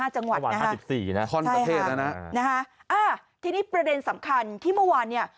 ๕๕จังหวัดนะคะค่อนกับเทศนะนะฮะที่นี่ประเด็นสำคัญที่เมื่อวานเนี่ย